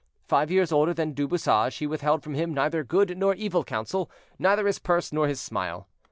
Five years older than Du Bouchage, he withheld from him neither good nor evil counsel, neither his purse nor his smile.